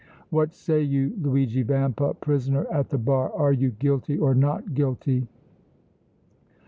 What say you, Luigi Vampa, prisoner at the bar, are you guilty or not guilty?"